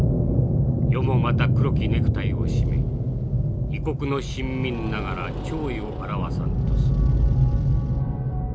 余もまた黒きネクタイを締め異国の臣民ながら弔意を表さんとす。